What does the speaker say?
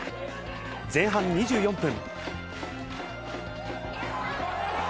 前半２４分。